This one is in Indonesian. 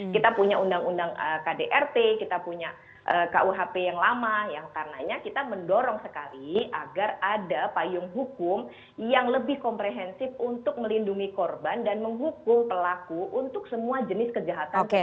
kita punya undang undang kdrt kita punya kuhp yang lama yang karenanya kita mendorong sekali agar ada payung hukum yang lebih komprehensif untuk melindungi korban dan menghukum pelaku untuk semua jenis kejahatan